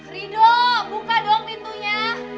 ridho buka dong pintunya